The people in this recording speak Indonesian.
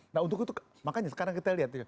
nah untuk itu makanya sekarang kita lihat